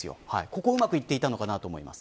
ここ、うまくいっていたのかなと思います。